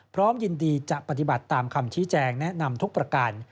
พร้อมยินดีจะปฏิบัติตามคำชี้แจงแนะนำทุกประการ